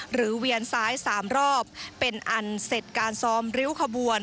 เวียนซ้าย๓รอบเป็นอันเสร็จการซ้อมริ้วขบวน